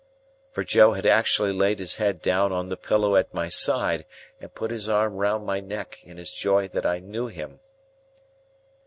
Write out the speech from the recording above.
For Joe had actually laid his head down on the pillow at my side, and put his arm round my neck, in his joy that I knew him.